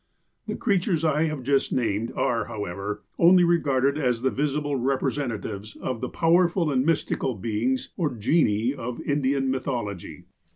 "The creatures I have just named, are, however, only re garded as the visible representatives of the powerful and mystical beings, or Genii, of Indian mythology.